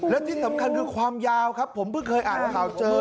และที่สำคัญคือความยาวครับผมเพิ่งเคยอ่านข่าวเจอ